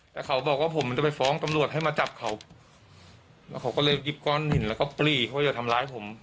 แต่เขาบอกว่าผมมันจะไปฟ้องตำรวจให้มาจับเขาแล้วเขาก็เลยหยิบก้อนหินแล้วก็ปรีเขาจะทำร้ายผม